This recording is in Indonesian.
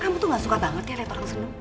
kamu tuh gak suka banget ya liat orang seneng